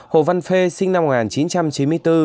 hồ văn phê sinh năm một nghìn chín trăm chín mươi bốn